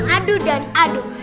aduh dan aduh